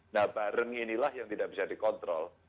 nah bareng inilah yang tidak bisa dikontrol